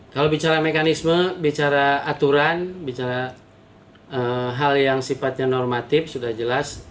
kalau bicara mekanisme bicara aturan bicara hal yang sifatnya normatif sudah jelas